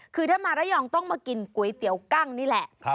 คือถ้ามาระยองต้องมากินก๋วยเตี๋ยวกั้งนี่แหละ